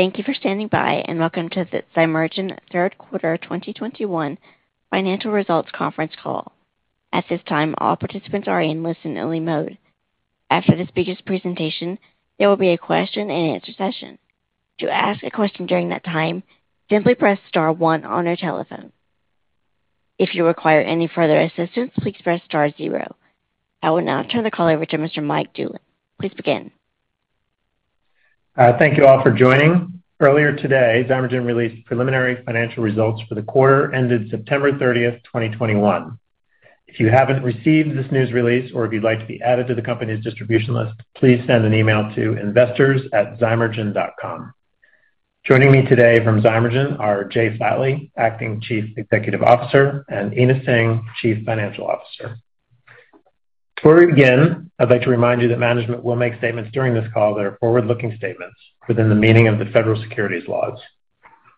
Thank you for standing by, and welcome to the Zymergen third quarter 2021 financial results conference call. At this time, all participants are in listen-only mode. After the speakers' presentation, there will be a question-and-answer session. To ask a question during that time, simply press star one on your telephone. If you require any further assistance, please press star zero. I will now turn the call over to Mr. Mike Dulin. Please begin. Thank you all for joining. Earlier today, Zymergen released preliminary financial results for the quarter ended September 30th, 2021. If you haven't received this news release or if you'd like to be added to the company's distribution list, please send an email to investors@zymergen.com. Joining me today from Zymergen are Jay Flatley, Acting Chief Executive Officer, and Ena Singh, Chief Financial Officer. Before we begin, I'd like to remind you that management will make statements during this call that are forward-looking statements within the meaning of the federal securities laws.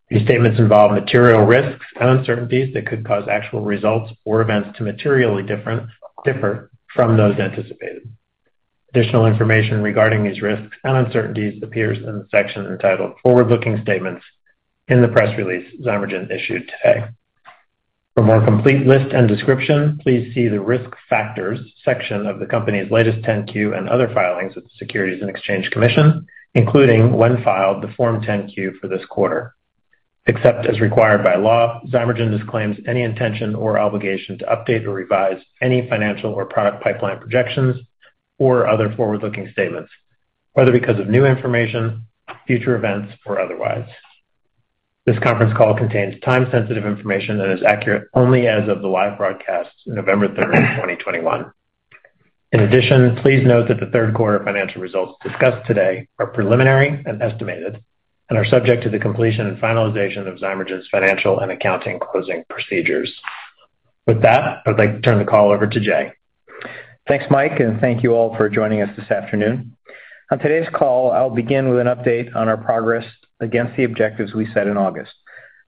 These statements involve material risks and uncertainties that could cause actual results or events to materially differ from those anticipated. Additional information regarding these risks and uncertainties appears in the section entitled Forward-Looking Statements in the press release Zymergen issued today. For a more complete list and description, please see the Risk Factors section of the company's latest 10-Q and other filings with the Securities and Exchange Commission, including when filed the Form 10-Q for this quarter. Except as required by law, Zymergen disclaims any intention or obligation to update or revise any financial or product pipeline projections or other forward-looking statements, whether because of new information, future events, or otherwise. This conference call contains time-sensitive information that is accurate only as of the live broadcast, November 3, 2021. In addition, please note that the third quarter financial results discussed today are preliminary and estimated and are subject to the completion and finalization of Zymergen's financial and accounting closing procedures. With that, I'd like to turn the call over to Jay. Thanks, Mike, and thank you all for joining us this afternoon. On today's call, I'll begin with an update on our progress against the objectives we set in August.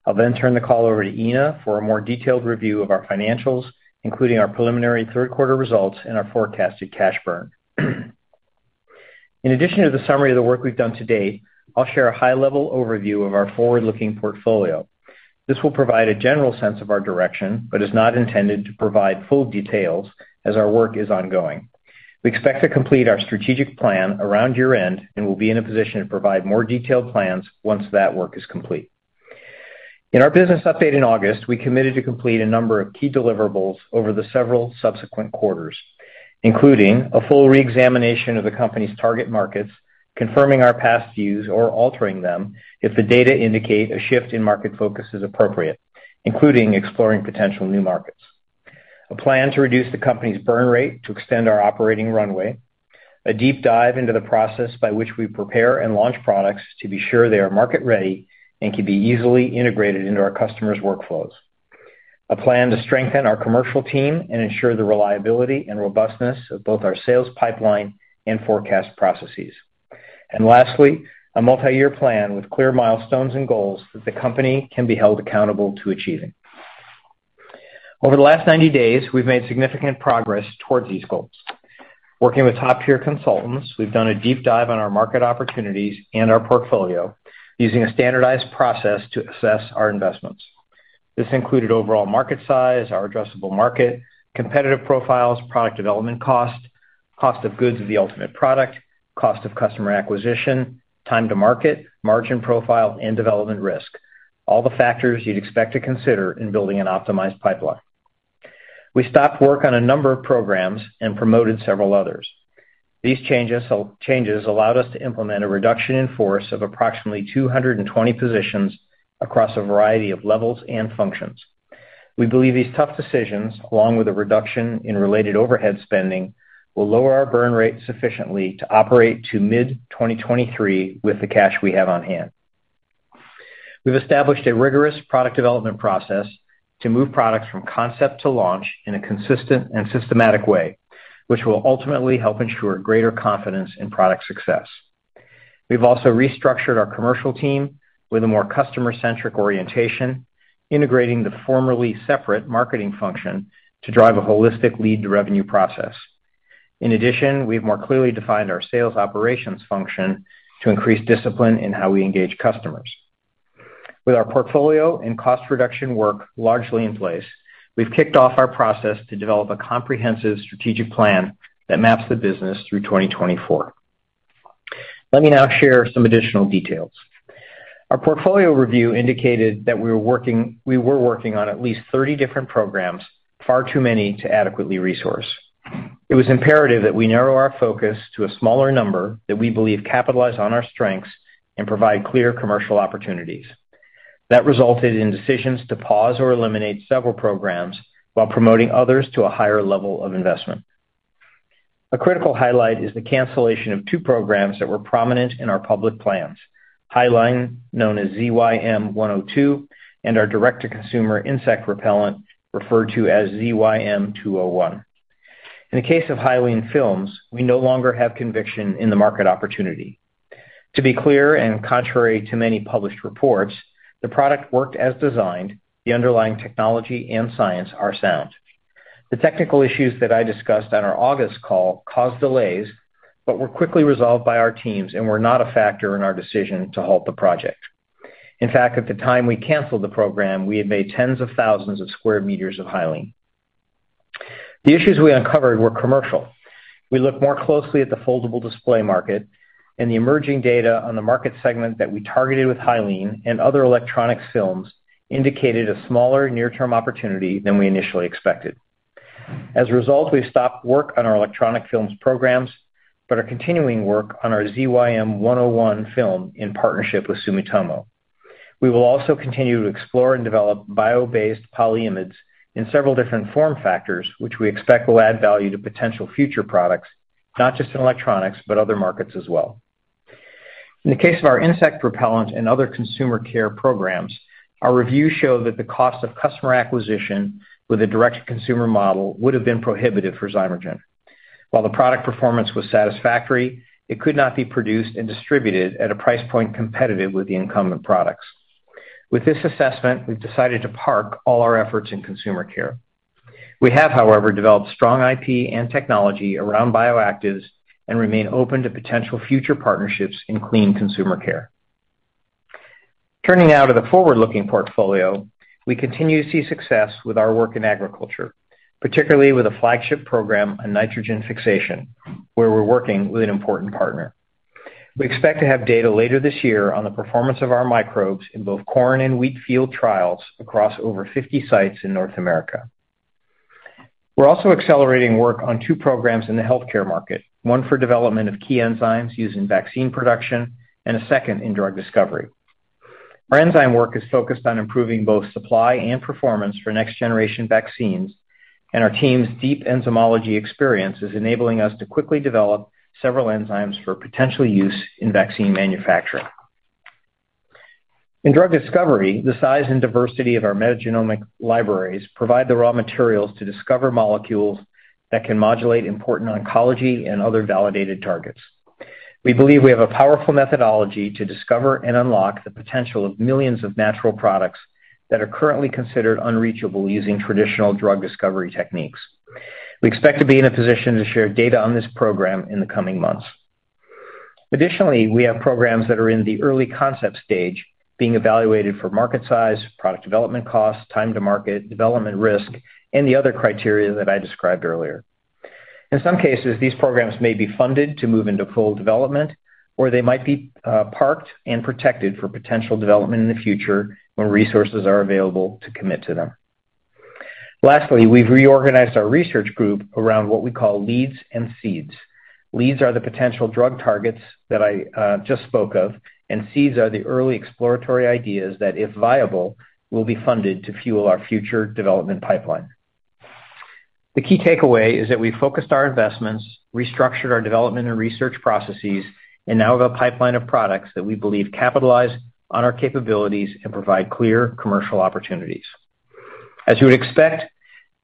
I'll then turn the call over to Ena for a more detailed review of our financials, including our preliminary third quarter results and our forecasted cash burn. In addition to the summary of the work we've done to date, I'll share a high-level overview of our forward-looking portfolio. This will provide a general sense of our direction, but is not intended to provide full details as our work is ongoing. We expect to complete our strategic plan around year-end and will be in a position to provide more detailed plans once that work is complete. In our business update in August, we committed to complete a number of key deliverables over the several subsequent quarters, including a full reexamination of the company's target markets, confirming our past views or altering them if the data indicate a shift in market focus is appropriate, including exploring potential new markets, a plan to reduce the company's burn rate to extend our operating runway, a deep dive into the process by which we prepare and launch products to be sure they are market-ready and can be easily integrated into our customers' workflows, a plan to strengthen our commercial team and ensure the reliability and robustness of both our sales pipeline and forecast processes. Lastly, a multi-year plan with clear milestones and goals that the company can be held accountable to achieving. Over the last 90 days, we've made significant progress towards these goals. Working with top-tier consultants, we've done a deep dive on our market opportunities and our portfolio using a standardized process to assess our investments. This included overall market size, our addressable market, competitive profiles, product development cost of goods of the ultimate product, cost of customer acquisition, time to market, margin profile, and development risk. All the factors you'd expect to consider in building an optimized pipeline. We stopped work on a number of programs and promoted several others. These changes allowed us to implement a reduction in force of approximately 220 positions across a variety of levels and functions. We believe these tough decisions, along with a reduction in related overhead spending, will lower our burn rate sufficiently to operate to mid-2023 with the cash we have on hand. We've established a rigorous product development process to move products from concept to launch in a consistent and systematic way, which will ultimately help ensure greater confidence in product success. We've also restructured our commercial team with a more customer-centric orientation, integrating the formerly separate marketing function to drive a holistic lead-to-revenue process. In addition, we've more clearly defined our sales operations function to increase discipline in how we engage customers. With our portfolio and cost reduction work largely in place, we've kicked off our process to develop a comprehensive strategic plan that maps the business through 2024. Let me now share some additional details. Our portfolio review indicated that we were working on at least 30 different programs, far too many to adequately resource. It was imperative that we narrow our focus to a smaller number that we believe capitalize on our strengths and provide clear commercial opportunities. That resulted in decisions to pause or eliminate several programs while promoting others to a higher level of investment. A critical highlight is the cancellation of two programs that were prominent in our public plans, Hyaline, known as ZYM-102, and our direct-to-consumer insect repellent, referred to as ZYM-201. In the case of Hyaline films, we no longer have conviction in the market opportunity. To be clear, and contrary to many published reports, the product worked as designed. The underlying technology and science are sound. The technical issues that I discussed on our August call caused delays, but were quickly resolved by our teams and were not a factor in our decision to halt the project. In fact, at the time we canceled the program, we had made tens of thousands of square meters of Hyaline. The issues we uncovered were commercial. We looked more closely at the foldable display market and the emerging data on the market segment that we targeted with Hyaline and other electronic films indicated a smaller near-term opportunity than we initially expected. As a result, we stopped work on our electronic films programs, but are continuing work on our ZYM-101 film in partnership with Sumitomo. We will also continue to explore and develop bio-based polyimides in several different form factors, which we expect will add value to potential future products, not just in electronics, but other markets as well. In the case of our insect repellent and other consumer care programs, our review showed that the cost of customer acquisition with a direct-to-consumer model would have been prohibitive for Zymergen. While the product performance was satisfactory, it could not be produced and distributed at a price point competitive with the incumbent products. With this assessment, we've decided to park all our efforts in consumer care. We have, however, developed strong IP and technology around bioactives and remain open to potential future partnerships in clean consumer care. Turning now to the forward-looking portfolio, we continue to see success with our work in agriculture, particularly with a flagship program on nitrogen fixation, where we're working with an important partner. We expect to have data later this year on the performance of our microbes in both corn and wheat field trials across over 50 sites in North America. We're also accelerating work on two programs in the healthcare market, one for development of key enzymes used in vaccine production and a second in drug discovery. Our enzyme work is focused on improving both supply and performance for next-generation vaccines, and our team's deep enzymology experience is enabling us to quickly develop several enzymes for potential use in vaccine manufacturing. In drug discovery, the size and diversity of our metagenomic libraries provide the raw materials to discover molecules that can modulate important oncology and other validated targets. We believe we have a powerful methodology to discover and unlock the potential of millions of natural products that are currently considered unreachable using traditional drug discovery techniques. We expect to be in a position to share data on this program in the coming months. Additionally, we have programs that are in the early concept stage being evaluated for market size, product development cost, time to market, development risk, and the other criteria that I described earlier. In some cases, these programs may be funded to move into full development, or they might be parked and protected for potential development in the future when resources are available to commit to them. Lastly, we've reorganized our research group around what we call leads and seeds. Leads are the potential drug targets that I just spoke of, and seeds are the early exploratory ideas that, if viable, will be funded to fuel our future development pipeline. The key takeaway is that we focused our investments, restructured our development and research processes, and now have a pipeline of products that we believe capitalize on our capabilities and provide clear commercial opportunities. As you would expect,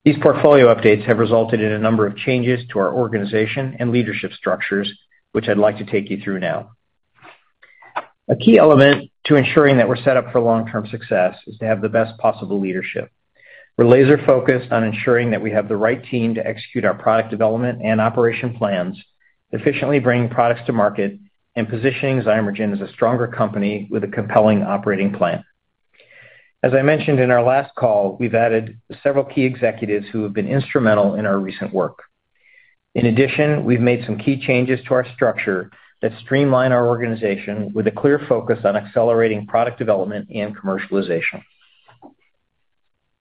these portfolio updates have resulted in a number of changes to our organization and leadership structures, which I'd like to take you through now. A key element to ensuring that we're set up for long-term success is to have the best possible leadership. We're laser-focused on ensuring that we have the right team to execute our product development and operation plans, efficiently bringing products to market and positioning Zymergen as a stronger company with a compelling operating plan. As I mentioned in our last call, we've added several key executives who have been instrumental in our recent work. In addition, we've made some key changes to our structure that streamline our organization with a clear focus on accelerating product development and commercialization.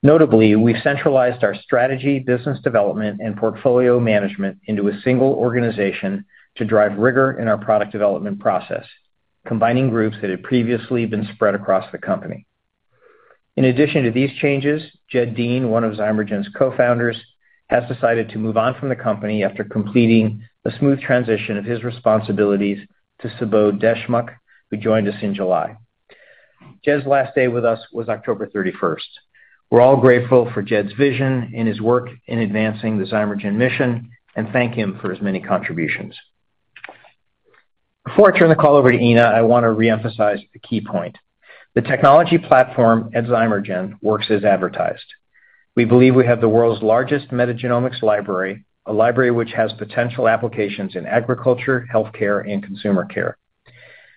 Notably, we've centralized our strategy, business development, and portfolio management into a single organization to drive rigor in our product development process, combining groups that had previously been spread across the company. In addition to these changes, Jed Dean, one of Zymergen's co-founders, has decided to move on from the company after completing the smooth transition of his responsibilities to Subodh Deshmukh, who joined us in July. Jed's last day with us was October 31st. We're all grateful for Jed's vision and his work in advancing the Zymergen mission and thank him for his many contributions. Before I turn the call over to Ena, I want to reemphasize the key point. The technology platform at Zymergen works as advertised. We believe we have the world's largest metagenomics library, a library which has potential applications in agriculture, healthcare, and consumer care.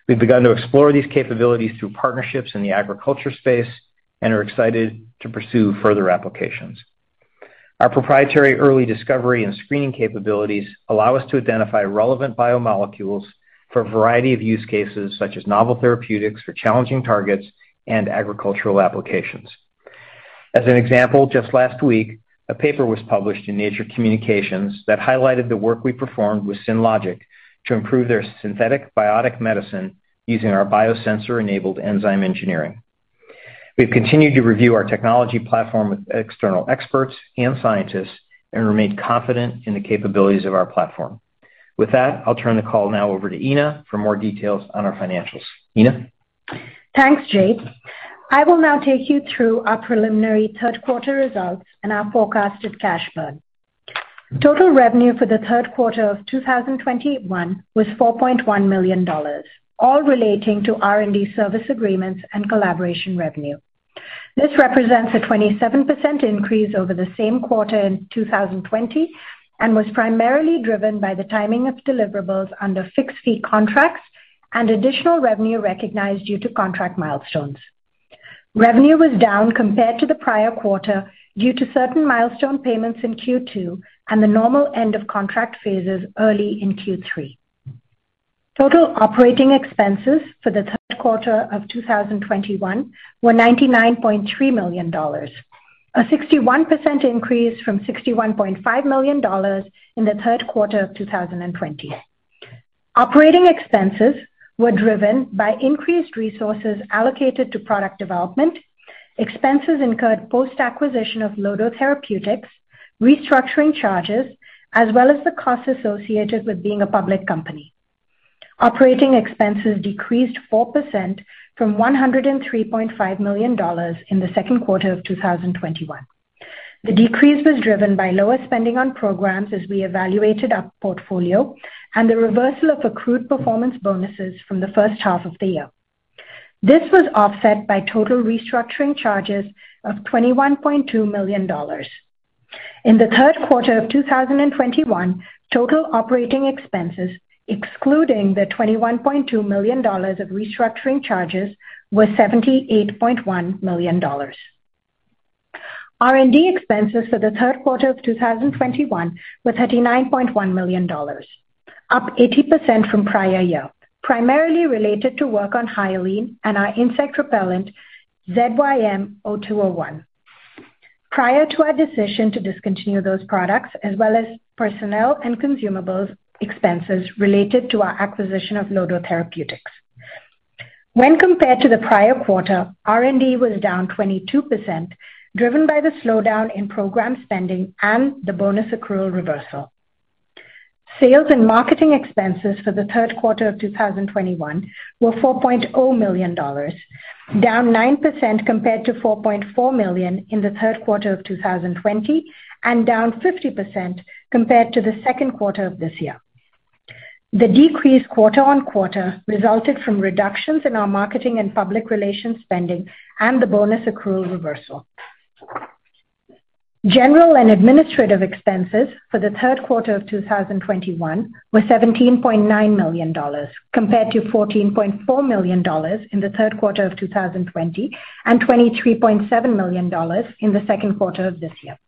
We've begun to explore these capabilities through partnerships in the agriculture space and are excited to pursue further applications. Our proprietary early discovery and screening capabilities allow us to identify relevant biomolecules for a variety of use cases, such as novel therapeutics for challenging targets and agricultural applications. As an example, just last week, a paper was published in Nature Communications that highlighted the work we performed with Synlogic to improve their synthetic biotic medicine using our biosensor-enabled enzyme engineering. We've continued to review our technology platform with external experts and scientists and remain confident in the capabilities of our platform. With that, I'll turn the call now over to Ena for more details on our financials. Ena? Thanks, Jay. I will now take you through our preliminary third quarter results and our forecasted cash burn. Total revenue for the third quarter of 2021 was $4.1 million, all relating to R&D service agreements and collaboration revenue. This represents a 27% increase over the same quarter in 2020, and was primarily driven by the timing of deliverables under fixed-fee contracts and additional revenue recognized due to contract milestones. Revenue was down compared to the prior quarter due to certain milestone payments in Q2 and the normal end of contract phases early in Q3. Total operating expenses for the third quarter of 2021 were $99.3 million, a 61% increase from $61.5 million in the third quarter of 2020. Operating expenses were driven by increased resources allocated to product development, expenses incurred post-acquisition of Lodo Therapeutics, restructuring charges, as well as the costs associated with being a public company. Operating expenses decreased 4% from $103.5 million in the second quarter of 2021. The decrease was driven by lower spending on programs as we evaluated our portfolio and the reversal of accrued performance bonuses from the first half of the year. This was offset by total restructuring charges of $21.2 million. In the third quarter of 2021, total operating expenses, excluding the $21.2 million of restructuring charges, were $78.1 million. R&D expenses for the third quarter of 2021 were $39.1 million, up 80% from prior year, primarily related to work on Hyaline and our insect repellent, ZYM-201 prior to our decision to discontinue those products as well as personnel and consumables expenses related to our acquisition of Lodo Therapeutics. When compared to the prior quarter, R&D was down 22%, driven by the slowdown in program spending and the bonus accrual reversal. Sales and marketing expenses for the third quarter of 2021 were $4.0 million, down 9% compared to $4.4 million in the third quarter of 2020, and down 50% compared to the second quarter of this year. The decrease quarter-over-quarter resulted from reductions in our marketing and public relations spending and the bonus accrual reversal. General and administrative expenses for the third quarter of 2021 were $17.9 million compared to $14.4 million in the third quarter of 2020 and $23.7 million in the second quarter of this year.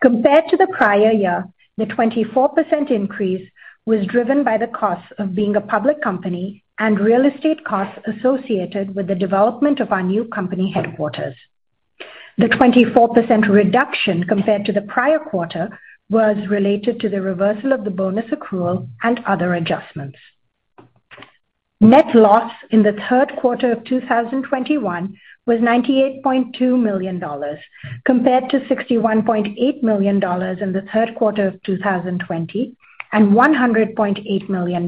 Compared to the prior year, the 24% increase was driven by the cost of being a public company and real estate costs associated with the development of our new company headquarters. The 24% reduction compared to the prior quarter was related to the reversal of the bonus accrual and other adjustments. Net loss in the third quarter of 2021 was $98.2 million, compared to $61.8 million in the third quarter of 2020 and $100.8 million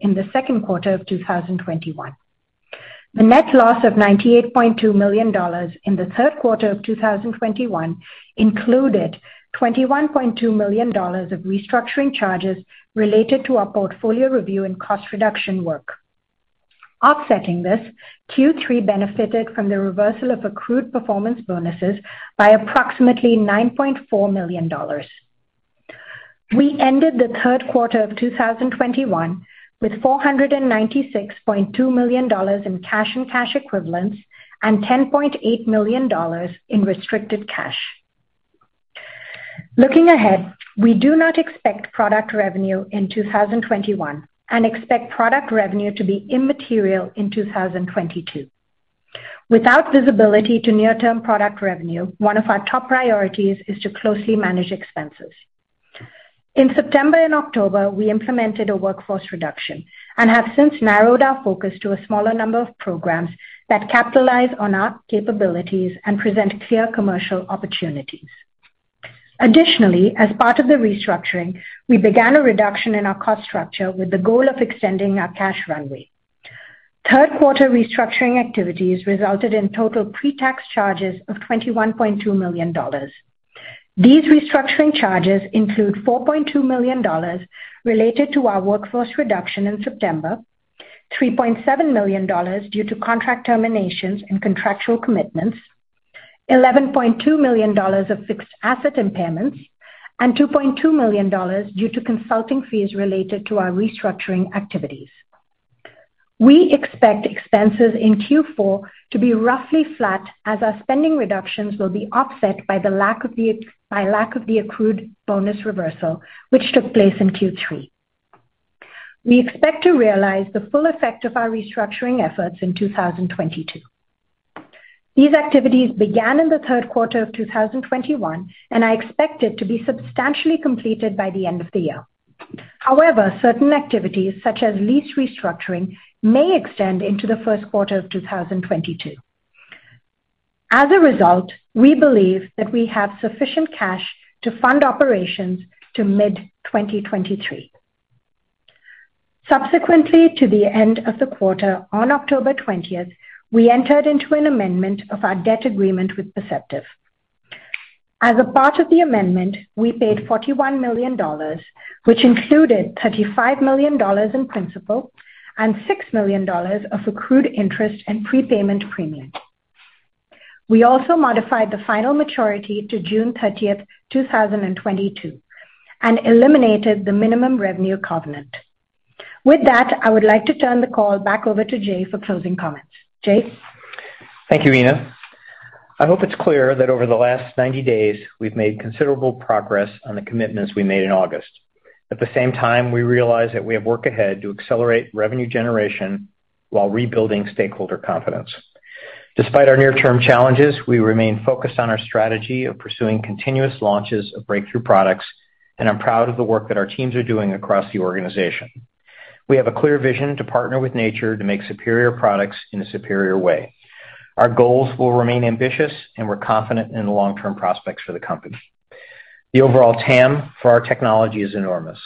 in the second quarter of 2021. The net loss of $98.2 million in the third quarter of 2021 included $21.2 million of restructuring charges related to our portfolio review and cost reduction work. Offsetting this, Q3 benefited from the reversal of accrued performance bonuses by approximately $9.4 million. We ended the third quarter of 2021 with $496.2 million in cash and cash equivalents and $10.8 million in restricted cash. Looking ahead, we do not expect product revenue in 2021 and expect product revenue to be immaterial in 2022. Without visibility to near-term product revenue, one of our top priorities is to closely manage expenses. In September and October, we implemented a workforce reduction and have since narrowed our focus to a smaller number of programs that capitalize on our capabilities and present clear commercial opportunities. Additionally, as part of the restructuring, we began a reduction in our cost structure with the goal of extending our cash runway. Third quarter restructuring activities resulted in total pre-tax charges of $21.2 million. These restructuring charges include $4.2 million related to our workforce reduction in September, $3.7 million due to contract terminations and contractual commitments, $11.2 million of fixed asset impairments, and $2.2 million due to consulting fees related to our restructuring activities. We expect expenses in Q4 to be roughly flat as our spending reductions will be offset by lack of the accrued bonus reversal, which took place in Q3. We expect to realize the full effect of our restructuring efforts in 2022. These activities began in the third quarter of 2021, and are expected to be substantially completed by the end of the year. However, certain activities, such as lease restructuring, may extend into the first quarter of 2022. As a result, we believe that we have sufficient cash to fund operations to mid-2023. Subsequently to the end of the quarter, on October 20th, we entered into an amendment of our debt agreement with Perceptive. As a part of the amendment, we paid $41 million, which included $35 million in principal and $6 million of accrued interest and prepayment premium. We also modified the final maturity to June 30, 2022, and eliminated the minimum revenue covenant. With that, I would like to turn the call back over to Jay for closing comments. Jay. Thank you, Ena. I hope it's clear that over the last 90 days, we've made considerable progress on the commitments we made in August. At the same time, we realize that we have work ahead to accelerate revenue generation while rebuilding stakeholder confidence. Despite our near-term challenges, we remain focused on our strategy of pursuing continuous launches of breakthrough products, and I'm proud of the work that our teams are doing across the organization. We have a clear vision to partner with nature to make superior products in a superior way. Our goals will remain ambitious, and we're confident in the long-term prospects for the company. The overall TAM for our technology is enormous.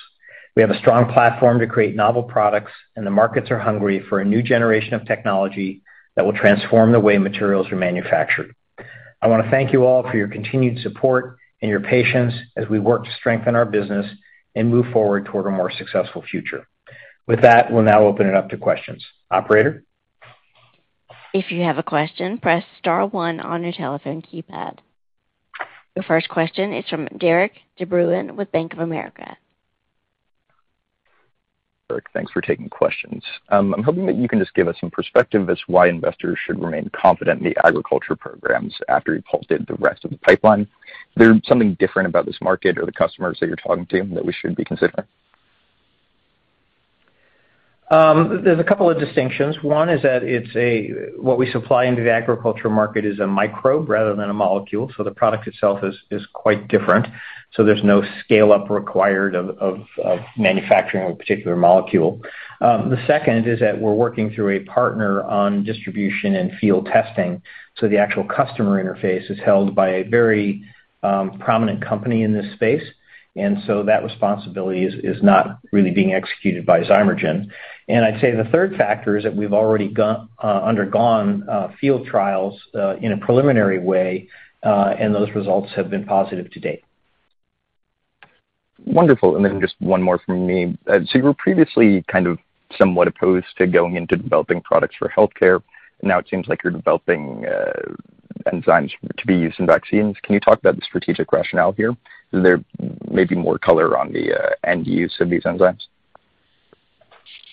We have a strong platform to create novel products, and the markets are hungry for a new generation of technology that will transform the way materials are manufactured. I wanna thank you all for your continued support and your patience as we work to strengthen our business and move forward toward a more successful future. With that, we'll now open it up to questions. Operator? If you have a question, press star one on your telephone keypad. Your first question is from Derik De Bruin with Bank of America. Derik, thanks for taking questions. I'm hoping that you can just give us some perspective on why investors should remain confident in the agriculture programs after you halted the rest of the pipeline. Is there something different about this market or the customers that you're talking to that we should be considering? There's a couple of distinctions. One is that what we supply into the agriculture market is a microbe rather than a molecule, so the product itself is quite different. There's no scale-up required of manufacturing a particular molecule. The second is that we're working through a partner on distribution and field testing, so the actual customer interface is held by a very prominent company in this space. That responsibility is not really being executed by Zymergen. I'd say the third factor is that we've already undergone field trials in a preliminary way, and those results have been positive to date. Wonderful. Just one more from me. You were previously kind of somewhat opposed to going into developing products for healthcare. Now it seems like you're developing enzymes to be used in vaccines. Can you talk about the strategic rationale here? Is there maybe more color on the end use of these enzymes?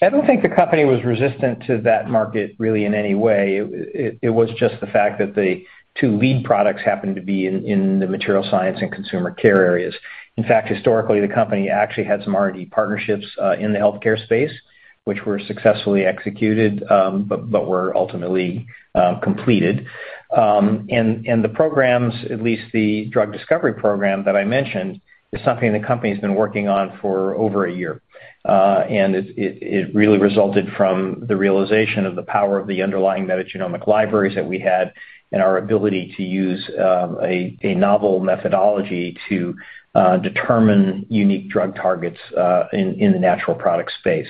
I don't think the company was resistant to that market really in any way. It was just the fact that the two lead products happened to be in the materials science and consumer care areas. In fact, historically, the company actually had some R&D partnerships in the healthcare space, which were successfully executed, but were ultimately completed. The programs, at least the drug discovery program that I mentioned, is something the company has been working on for over a year. It really resulted from the realization of the power of the underlying metagenomic libraries that we had and our ability to use a novel methodology to determine unique drug targets in the natural product space.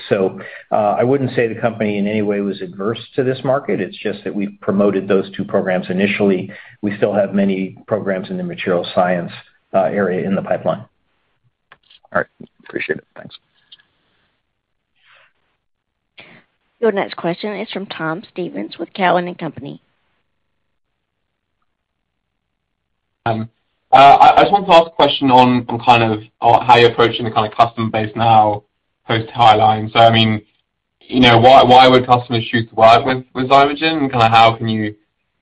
I wouldn't say the company in any way was adverse to this market. It's just that we've promoted those two programs initially. We still have many programs in the materials science area in the pipeline. All right. Appreciate it. Thanks. Your next question is from Tom Stevens with Cowen and Company. I just wanted to ask a question on kind of how you're approaching the kind of customer base now post Hyaline. I mean, you know, why would customers choose to work with Zymergen? Kind of how can you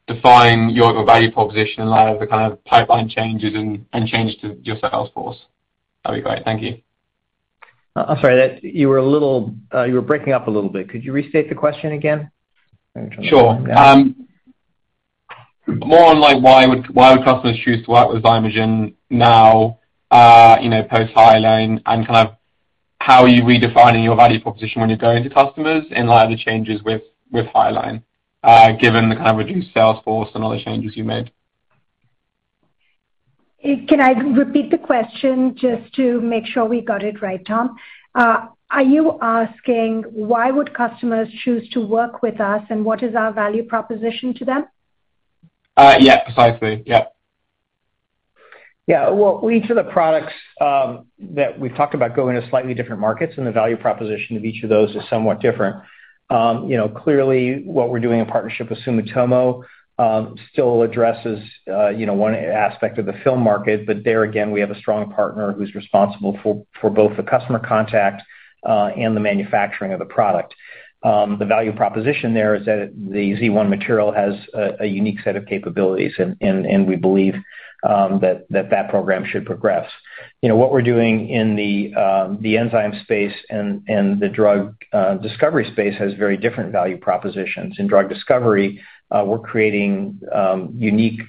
define your value proposition in light of the kind of pipeline changes and changes to your sales force? That'd be great. Thank you. I'm sorry. You were a little, you were breaking up a little bit. Could you restate the question again? Sure. More on like, why would customers choose to work with Zymergen now, you know, post Hyaline and kind of how are you redefining your value proposition when you're going to customers in light of the changes with Hyaline, given the kind of reduced sales force and all the changes you made? Can I repeat the question just to make sure we got it right, Tom? Are you asking why would customers choose to work with us, and what is our value proposition to them? Yeah. Precisely. Yeah. Yeah. Well, each of the products that we've talked about go into slightly different markets and the value proposition of each of those is somewhat different. You know, clearly what we're doing in partnership with Sumitomo still addresses you know, one aspect of the film market. There again, we have a strong partner who's responsible for both the customer contact and the manufacturing of the product. The value proposition there is that the Z1 material has a unique set of capabilities and we believe that program should progress. You know, what we're doing in the enzyme space and the drug discovery space has very different value propositions. In drug discovery, we're creating unique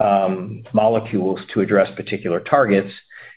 molecules to address particular targets.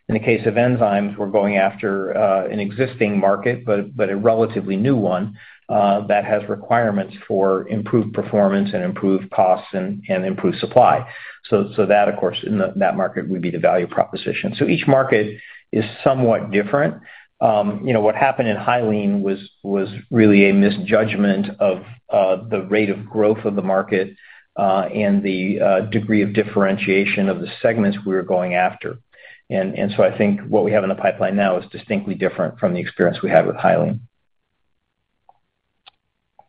In the case of enzymes, we're going after an existing market, but a relatively new one that has requirements for improved performance and improved costs and improved supply. That of course, in that market would be the value proposition. Each market is somewhat different. What happened in Hyaline was really a misjudgment of the rate of growth of the market and the degree of differentiation of the segments we were going after. I think what we have in the pipeline now is distinctly different from the experience we had with Hyaline.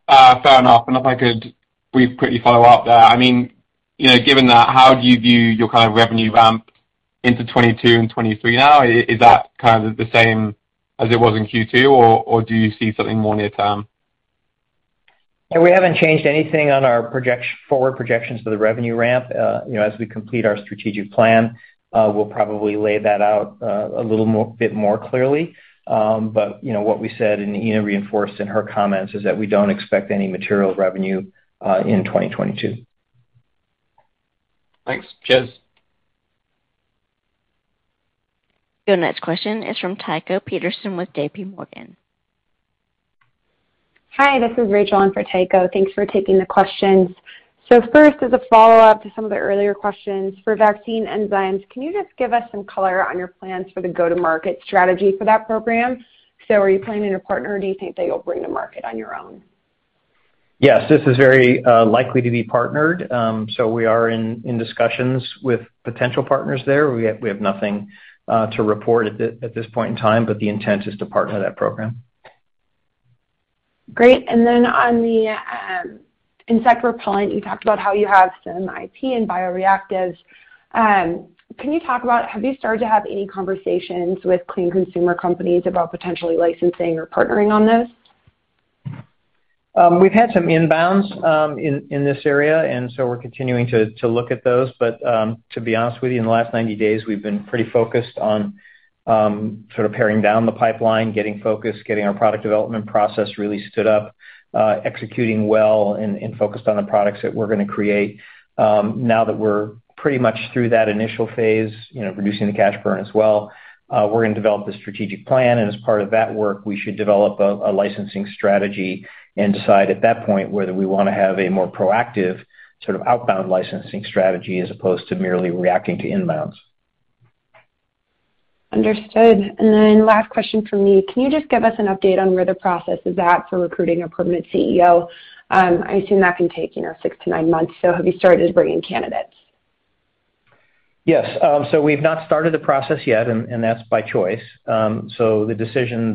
Fair enough. If I could real quickly follow up there. I mean, you know, given that, how do you view your kind of revenue ramp into 2022 and 2023 now? Is that kind of the same as it was in Q2, or do you see something more near term? Yeah. We haven't changed anything on our project-forward projections for the revenue ramp. You know, as we complete our strategic plan, we'll probably lay that out a bit more clearly. You know, what we said, and Ena reinforced in her comments, is that we don't expect any material revenue in 2022. Thanks. Cheers. Your next question is from Tycho Peterson with J.P. Morgan. Hi, this is Rachel in for Tycho. Thanks for taking the questions. First, as a follow-up to some of the earlier questions for vaccine enzymes, can you just give us some color on your plans for the go-to-market strategy for that program? Are you planning to partner or do you think that you'll bring to market on your own? Yes, this is very likely to be partnered. We are in discussions with potential partners there. We have nothing to report at this point in time, but the intent is to partner that program. Great. On the insect repellent, you talked about how you have some IP and bioactives. Can you talk about, have you started to have any conversations with clean consumer companies about potentially licensing or partnering on this? We've had some inbounds in this area, and we're continuing to look at those. To be honest with you, in the last 90 days, we've been pretty focused on sort of paring down the pipeline, getting focused, getting our product development process really stood up, executing well and focused on the products that we're gonna create. Now that we're pretty much through that initial phase, you know, reducing the cash burn as well, we're gonna develop the strategic plan, and as part of that work, we should develop a licensing strategy and decide at that point whether we wanna have a more proactive sort of outbound licensing strategy as opposed to merely reacting to inbounds. Understood. Last question from me. Can you just give us an update on where the process is at for recruiting a permanent CEO? I assume that can take, you know, six to nine months. Have you started bringing candidates? Yes. So we've not started the process yet, and that's by choice. So the decision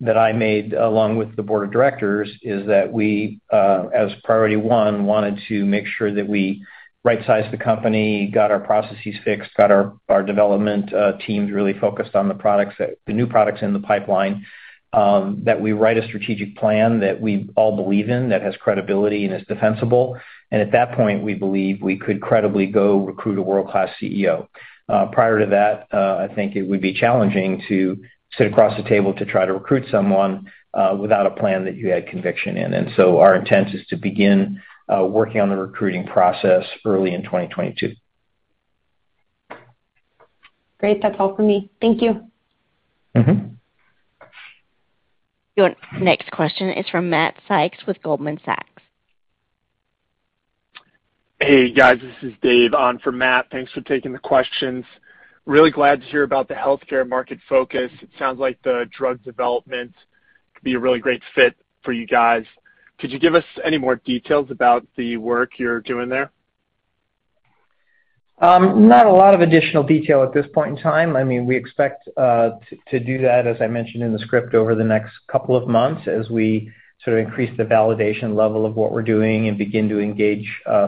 that I made along with the board of directors is that we, as priority one, wanted to make sure that we right-sized the company, got our processes fixed, got our development teams really focused on the new products in the pipeline, that we write a strategic plan that we all believe in that has credibility and is defensible. At that point, we believe we could credibly go recruit a world-class CEO. Prior to that, I think it would be challenging to sit across the table to try to recruit someone, without a plan that you had conviction in. Our intent is to begin working on the recruiting process early in 2022. Great. That's all for me. Thank you. Mm-hmm. Your next question is from Matt Sykes with Goldman Sachs. Hey, guys, this is Dave on for Matt. Thanks for taking the questions. Really glad to hear about the healthcare market focus. It sounds like the drug development could be a really great fit for you guys. Could you give us any more details about the work you're doing there? Not a lot of additional detail at this point in time. I mean, we expect to do that, as I mentioned in the script, over the next couple of months as we sort of increase the validation level of what we're doing and begin to engage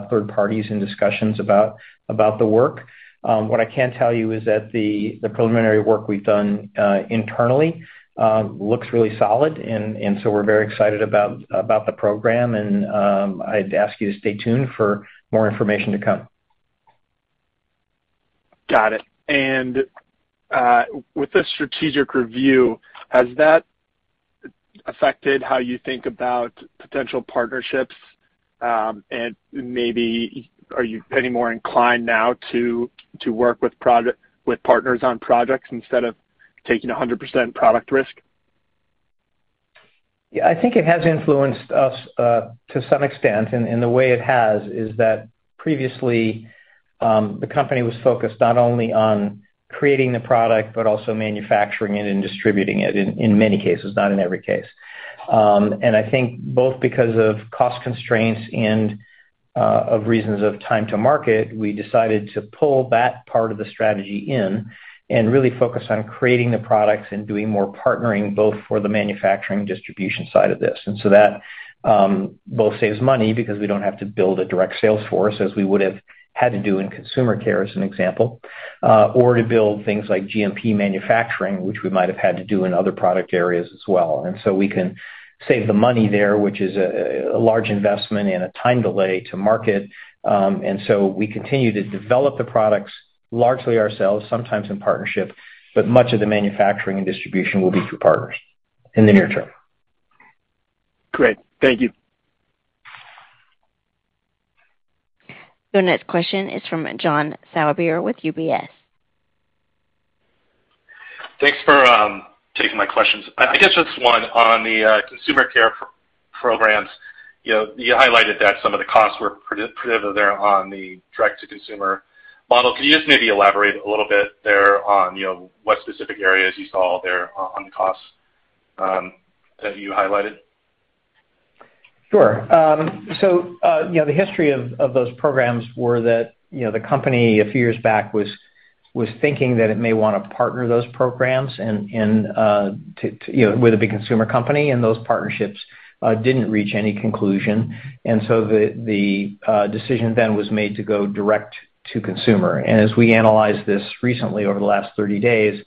third parties in discussions about the work. What I can tell you is that the preliminary work we've done internally looks really solid. We're very excited about the program. I'd ask you to stay tuned for more information to come. Got it. With this strategic review, has that affected how you think about potential partnerships? Maybe are you any more inclined now to work with partners on projects instead of taking 100% product risk? Yeah. I think it has influenced us to some extent, and the way it has is that previously the company was focused not only on creating the product but also manufacturing it and distributing it in many cases, not in every case. I think both because of cost constraints and of reasons of time to market, we decided to pull that part of the strategy in and really focus on creating the products and doing more partnering, both for the manufacturing distribution side of this. That both saves money because we don't have to build a direct sales force as we would've had to do in consumer care, as an example, or to build things like GMP manufacturing, which we might have had to do in other product areas as well. We can save the money there, which is a large investment and a time delay to market. We continue to develop the products largely ourselves, sometimes in partnership, but much of the manufacturing and distribution will be through partners in the near term. Great. Thank you. Your next question is from John Sourbeer with UBS. Thanks for taking my questions. I guess just one on the consumer care programs. You know, you highlighted that some of the costs were prohibitive there on the direct-to-consumer model. Can you just maybe elaborate a little bit there on, you know, what specific areas you saw there on costs that you highlighted? Sure. So, you know, the history of those programs were that, you know, the company a few years back was thinking that it may wanna partner those programs and to, you know, with a big consumer company, and those partnerships didn't reach any conclusion. The decision then was made to go direct-to-consumer. As we analyzed this recently over the last 30 days,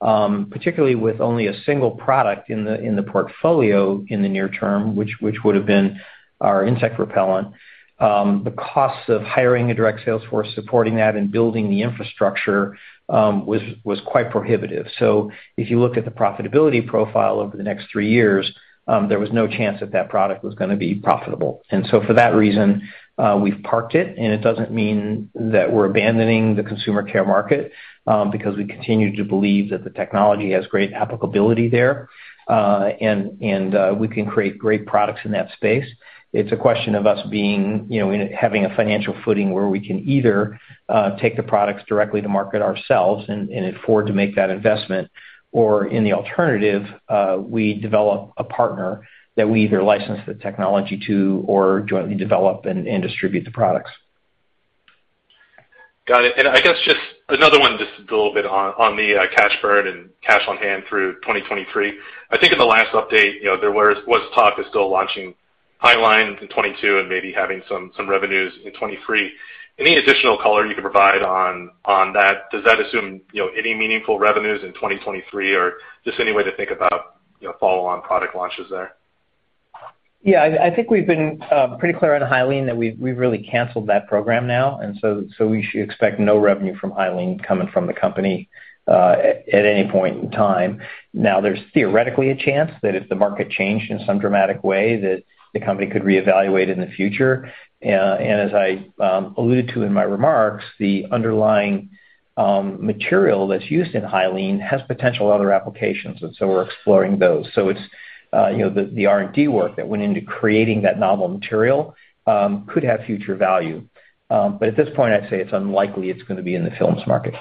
particularly with only a single product in the portfolio in the near term, which would've been our insect repellent, the costs of hiring a direct sales force supporting that and building the infrastructure was quite prohibitive. If you look at the profitability profile over the next three years, there was no chance that that product was gonna be profitable. For that reason, we've parked it, and it doesn't mean that we're abandoning the consumer care market, because we continue to believe that the technology has great applicability there, and we can create great products in that space. It's a question of us being, you know, and having a financial footing where we can either take the products directly to market ourselves and afford to make that investment, or in the alternative, we develop a partner that we either license the technology to or jointly develop and distribute the products. Got it. I guess just another one just a little bit on the cash burn and cash on hand through 2023. I think in the last update, you know, there was talk of still launching Hyaline in 2022 and maybe having some revenues in 2023. Any additional color you can provide on that? Does that assume, you know, any meaningful revenues in 2023 or just any way to think about, you know, follow-on product launches there? Yeah. I think we've been pretty clear on Hyaline that we've really canceled that program now. We should expect no revenue from Hyaline coming from the company at any point in time. There's theoretically a chance that if the market changed in some dramatic way, that the company could reevaluate in the future. As I alluded to in my remarks, the underlying material that's used in Hyaline has potential other applications, and we're exploring those. It's you know, the R&D work that went into creating that novel material could have future value. But at this point, I'd say it's unlikely it's gonna be in the films market.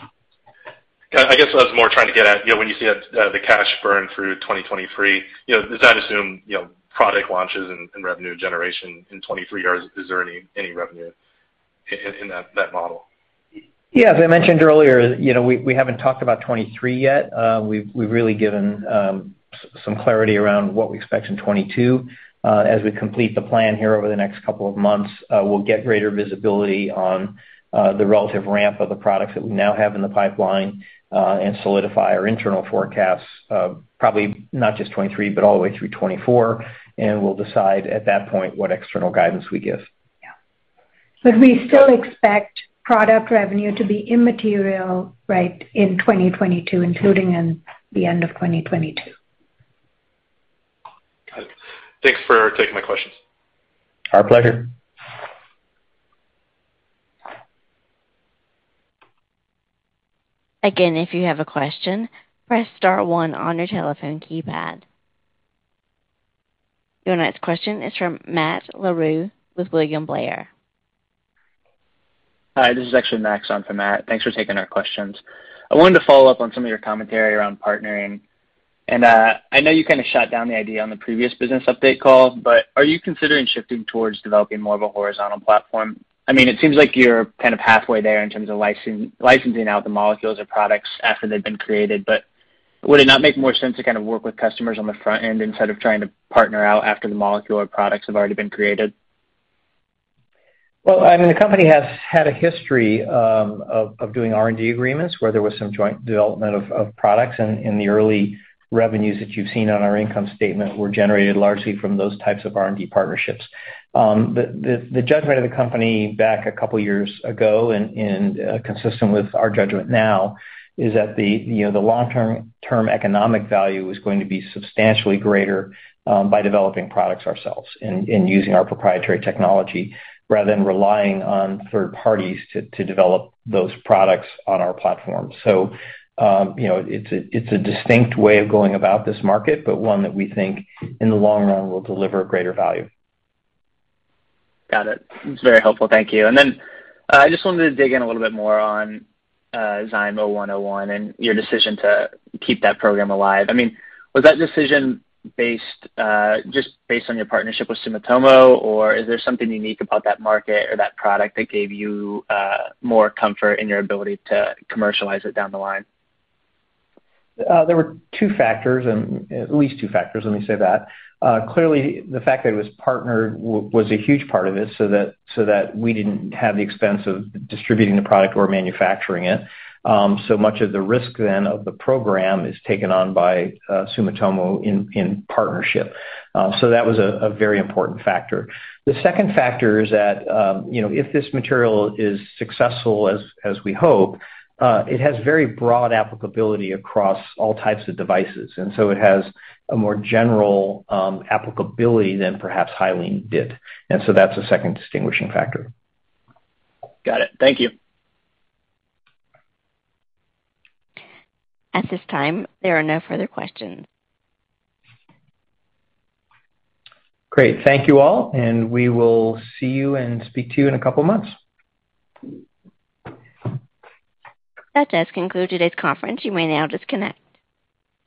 Got it. I guess what I was more trying to get at, you know, when you see that, the cash burn through 2023, you know, does that assume, you know, product launches and revenue generation in 2023, or is there any revenue in that model? Yeah. As I mentioned earlier, you know, we haven't talked about 2023 yet. We've really given some clarity around what we expect in 2022. As we complete the plan here over the next couple of months, we'll get greater visibility on the relative ramp of the products that we now have in the pipeline, and solidify our internal forecasts of probably not just 2023, but all the way through 2024, and we'll decide at that point what external guidance we give. Yeah. We still expect product revenue to be immaterial, right, in 2022, including in the end of 2022. Got it. Thanks for taking my questions. Our pleasure. Again, if you have a question, press star one on your telephone keypad. Your next question is from Matt Larew with William Blair. Hi. This is actually Max on for Matt. Thanks for taking our questions. I wanted to follow up on some of your commentary around partnering. I know you kinda shot down the idea on the previous business update call, but are you considering shifting towards developing more of a horizontal platform? I mean, it seems like you're kind of halfway there in terms of licensing out the molecules or products after they've been created, but would it not make more sense to kind of work with customers on the front end instead of trying to partner out after the molecule or products have already been created? Well, I mean, the company has had a history of doing R&D agreements where there was some joint development of products. In the early revenues that you've seen on our income statement were generated largely from those types of R&D partnerships. The judgment of the company back a couple years ago and consistent with our judgment now is that you know the long-term economic value is going to be substantially greater by developing products ourselves and using our proprietary technology rather than relying on third parties to develop those products on our platform. You know, it's a distinct way of going about this market, but one that we think in the long run will deliver greater value. Got it. It's very helpful. Thank you. I just wanted to dig in a little bit more on ZYM-101 and your decision to keep that program alive. I mean, was that decision just based on your partnership with Sumitomo, or is there something unique about that market or that product that gave you more comfort in your ability to commercialize it down the line? There were two factors, at least two factors, let me say that. Clearly the fact that it was partnered was a huge part of it so that we didn't have the expense of distributing the product or manufacturing it. Much of the risk then of the program is taken on by Sumitomo in partnership. That was a very important factor. The second factor is that, you know, if this material is successful as we hope, it has very broad applicability across all types of devices. It has a more general applicability than perhaps Hyaline did. That's a second distinguishing factor. Got it. Thank you. At this time, there are no further questions. Great. Thank you all, and we will see you and speak to you in a couple months. That does conclude today's conference. You may now disconnect.